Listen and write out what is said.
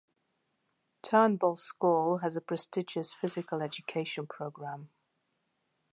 Turnbull School has a prestigious physical education program.